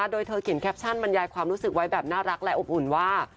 โดยเธอเขียนแคปชั่นบรรยายความรู้สึกไว้แบบน่ารักและอบอุ่นว่า